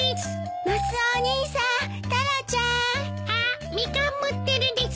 マスオお兄さんタラちゃん。あっミカン持ってるです。